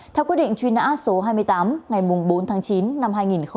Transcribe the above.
theo quyết định truy nã số hai mươi tám ngày bốn tháng chín năm hai nghìn một mươi